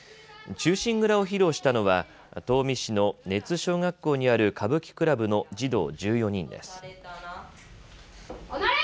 忠臣蔵を披露したのは東御市の祢津小学校にある歌舞伎クラブの児童１４人です。